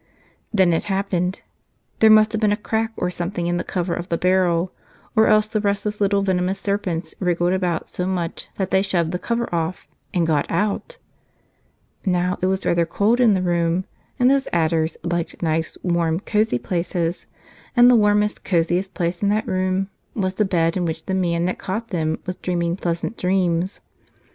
Then it happened. There must have been a crack or something in the cover of the barrel, or else the restless little venomous serpents wriggled about so much that shey shoved the cover off — and got out! Now, it was rather cold in the room and those adders liked nice warm, cozy places ; and the warmest, coziest place in that room was the bed in which the man that caught them was dreaming pleasant dreams.